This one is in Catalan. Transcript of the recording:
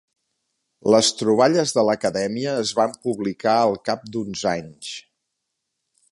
Les troballes de l'Acadèmia es van publicar al cap d'uns anys.